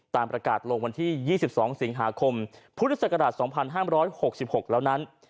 ตามประกาศลงวันที่๒๒สิงหาคมพุทธศักราช๒๕๖๖แล้วนั้น